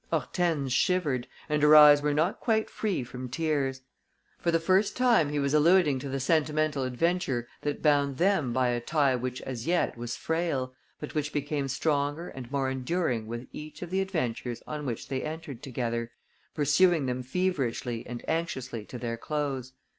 Hortense shivered; and her eyes were not quite free from tears. For the first time he was alluding to the sentimental adventure that bound them by a tie which as yet was frail, but which became stronger and more enduring with each of the ventures on which they entered together, pursuing them feverishly and anxiously to their close.